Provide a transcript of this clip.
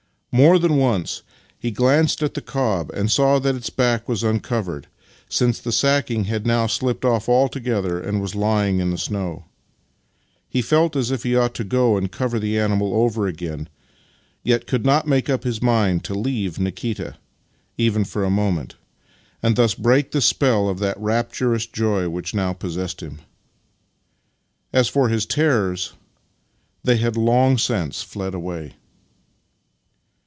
More than once he glanced at the cob and sav/ that its back vv^as uncovered, since the sacking had now slipped off altogether and was Ij'ing on the snow. He felt as if he ought to go and cover the animal over again yet could not make up his mind to leave Nikita, even for a moment, and thus break the spell of that raptur ous joy which now possessed him. As for his terrors, they had long since fled away.